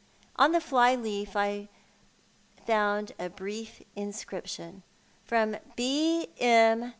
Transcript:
On the fly leaf I found a brief inscription—" From B. M.